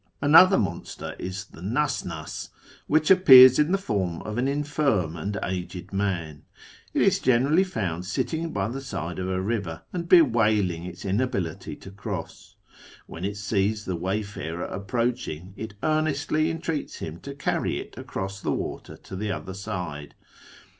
Another monster is the nasnds, which appears in the form of an infirm and aged man. It is generally found sitting by jthe side of a river, and bewailing its inability to cross. When it sees the wayfarer approaching, it earnestly entreats him to parry it across the water to the other side.